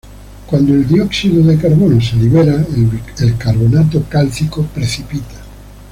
Cuando el dióxido de carbono se libera, el carbonato cálcico precipita.